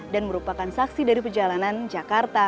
dan merupakan saksi dari perjalanan jakarta